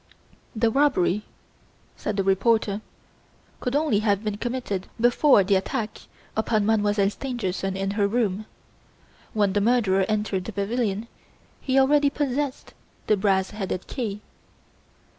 "The robbery," said the reporter, "could only have been committed before the attack upon Mademoiselle Stangerson in her room. When the murderer entered the pavilion he already possessed the brass headed key."